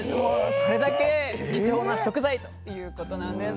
それだけ貴重な食材ということなんです。